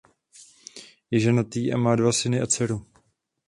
Je ženatý a má dva syny a dceru.